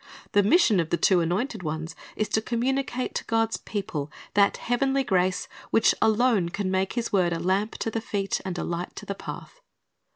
The mission of the two anointed ones is to communicate to God's people that heavenly grace which alone can make His word a lamp to the feet and a light to the path.